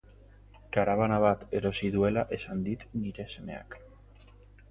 Karabana bat erosi duela esan dit nire semeak.